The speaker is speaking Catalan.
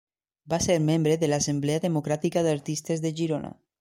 Va ser membre de l'Assemblea Democràtica d'Artistes de Girona.